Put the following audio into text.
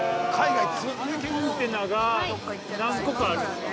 ◆あのコンテナが何個かあるんですか。